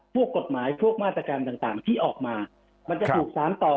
ด้วยกฎหมายพวกมาตรกรรมต่างที่มามันจะถูกสานะ